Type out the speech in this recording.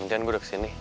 mungkin gue udah kesini